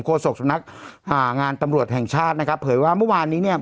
โศกสำนักอ่างานตำรวจแห่งชาตินะครับเผยว่าเมื่อวานนี้เนี่ย